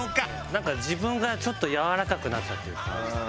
なんか自分がちょっとやわらかくなったというか。